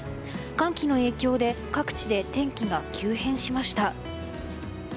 寒気の影響で各地で天気が急変しました。